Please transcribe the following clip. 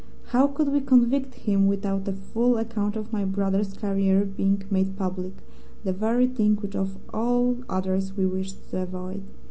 How could we convict him without a full account of my brother's career being made public the very thing which of all others we wished to avoid?